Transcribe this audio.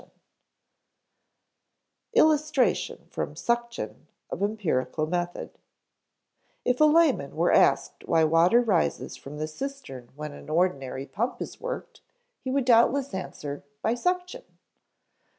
[Sidenote: Illustration from suction of empirical method,] If a layman were asked why water rises from the cistern when an ordinary pump is worked, he would doubtless answer, "By suction."